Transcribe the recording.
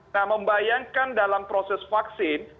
nah membayangkan dalam proses vaksin